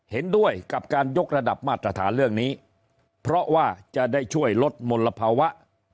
เห็นด้วยกับการยกระดับมาตรฐานเรื่องนี้เพราะว่าจะได้ช่วยลดมลภาวะ